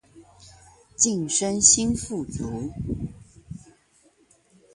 晉身新富族